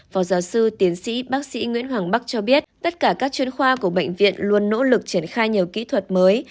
phó giáo sư tiến sĩ bác sĩ nguyễn hoàng bắc cho biết tất cả các chuyên khoa của bệnh viện luôn nỗ lực triển khai nhiều kỹ thuật mới